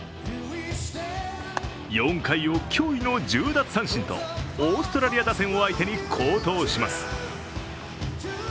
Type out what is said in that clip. ４回を脅威の１０奪三振と、オーストラリア打線を相手に好投します。